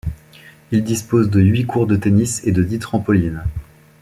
Il dispose de huit courts de tennis et de dix trampolines.